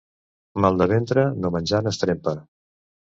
Mal de ventre no menjant es trempa.